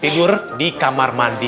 tidur di kamar mandi